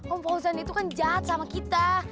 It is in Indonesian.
om fauzan itu kan jahat sama kita